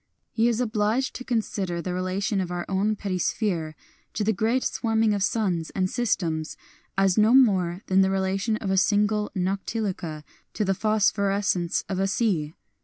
He is obliged to consider the relation of our own petty sphere to the great swarming of suns and systems as no more than the relation of a single noctiluca to the phosphorescence of a sea.